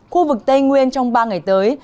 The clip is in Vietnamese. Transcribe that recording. khu vực tây nguyên trong ba ngày tới